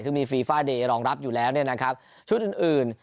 ซึ่งมีฟีฟ่าเดย์รองรับอยู่แล้วเนี่ยนะครับชุดอื่นอื่น